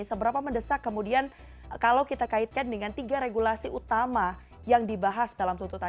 seberapa mendesak kemudian kalau kita kaitkan dengan tiga regulasi utama yang dibahas dalam tuntutan